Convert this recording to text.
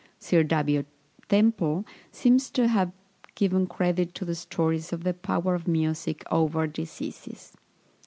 Sir W. Temple seems to have given credit to the stories of the power of music over diseases.